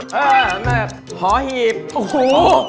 สภอหีบโอ้โห